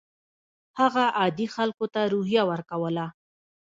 هغه عادي خلکو ته روحیه ورکوله.